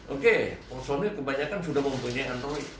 oke personil kebanyakan sudah mempunyai android